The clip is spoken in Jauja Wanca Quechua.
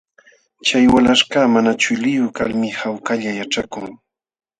Chay walaśhkaq mana chuliyuq kalmi hawkalla yaćhakun.